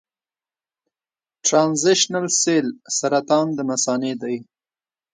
د ټرانزیشنل سیل سرطان د مثانې دی.